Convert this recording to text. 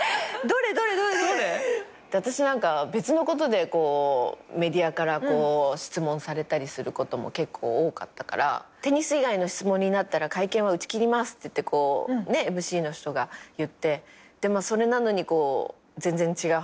私別のことでメディアから質問されたりすることも結構多かったから「テニス以外の質問になったら会見は打ち切ります」っていってこうねＭＣの人が言ってそれなのに全然違う話。